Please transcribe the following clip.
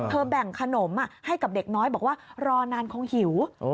แบ่งขนมให้กับเด็กน้อยบอกว่ารอนานคงหิว